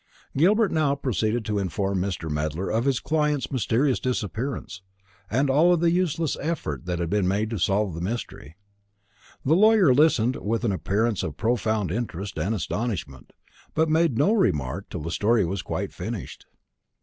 Gilbert now proceeded to inform Mr. Medler of his client's mysterious disappearance, and all the useless efforts that had been made to solve the mystery. The lawyer listened with an appearance of profound interest and astonishment, but made no remark till the story was quite finished.